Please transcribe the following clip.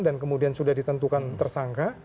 dan kemudian sudah ditentukan tersangka